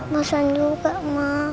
bosan juga ma